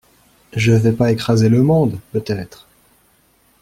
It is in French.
Je vais pas écraser le monde, peut-être?